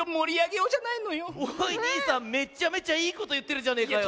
おいにいさんめっちゃめちゃいいこといってるじゃねえかよ。